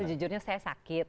sejujurnya saya sakit